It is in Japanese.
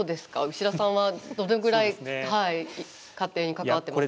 牛田さんはどれぐらい家庭に関わってますか？